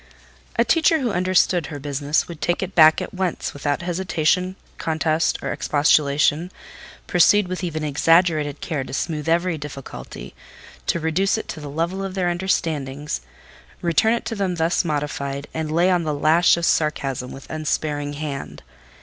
A teacher who understood her business would take it back at once, without hesitation, contest, or expostulation—proceed with even exaggerated care to smoothe every difficulty, to reduce it to the level of their understandings, return it to them thus modified, and lay on the lash of sarcasm with unsparing hand.